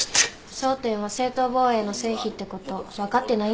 争点は正当防衛の成否ってこと分かってないんじゃない？